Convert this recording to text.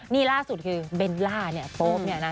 นี่ล่าสุดคือเบลล่าเนี่ยโป๊ปเนี่ยนะ